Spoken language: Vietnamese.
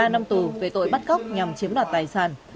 một mươi ba năm tù về tội bắt cóc nhằm chiếm đoạt tài sản